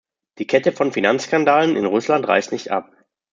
Die Kette von Finanzskandalen in Russland reißt nicht ab.